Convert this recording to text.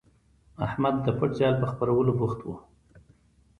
احمد د پټ جال په خپرولو بوخت وو.